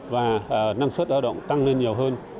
và năng suất lao động tăng lên nhiều hơn